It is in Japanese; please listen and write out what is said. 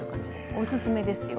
おすすめですよ。